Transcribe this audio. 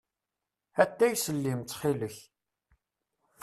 Atay s llim, ttxil-k.